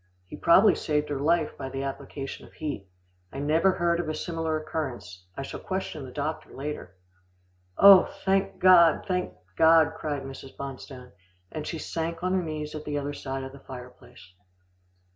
He probably saved her life by the application of heat. I never heard of a similar occurrence. I shall question the doctor later." "Oh! thank God, thank God," cried Mrs. Bonstone, and she sank on her knees at the other side of the fireplace.